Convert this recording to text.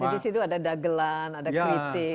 jadi disitu ada dagelan ada kritik